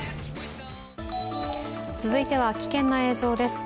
続いては危険な映像です。